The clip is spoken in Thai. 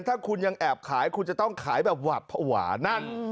ถ้าคุณยังแอบขายคุณจะต้องขายแบบหวัดภาวะนั่น